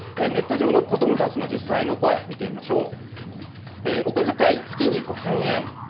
ネット上の子どもたちの実際の声を見てみましょう。